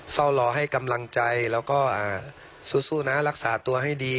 เฝ้ารอให้กำลังใจแล้วก็สู้นะรักษาตัวให้ดี